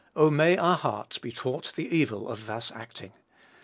Oh, may our hearts be taught the evil of thus acting.